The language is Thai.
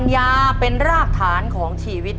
ขอเชิญแสงเดือนมาต่อชีวิต